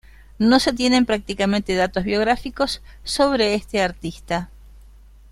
No se tienen prácticamente datos biográficos sobre este artista.